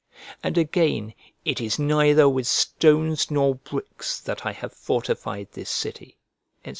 And again: "It is neither with stones nor bricks that I have fortified this city," &c.